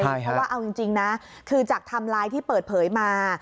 เพราะว่าเอาจริงนะคือจากไทม์ไลน์ที่เปิดเผยมา